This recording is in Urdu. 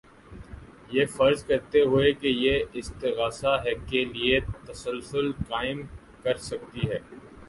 یہ فرض کرتے ہوئے کہ یہ استغاثہ کے لیے تسلسل قائم کر سکتی ہے